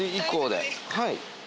はい。